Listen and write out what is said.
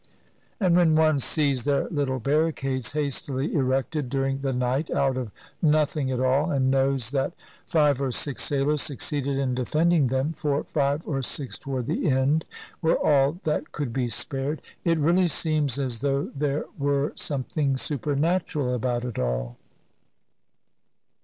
And when one sees their little barricades hastily erected during the night out of nothing at all, and knows that five or six sailors succeeded in defending them (for five or six toward the end were all that could be spared) , it really seems as though there were something super natural about it all.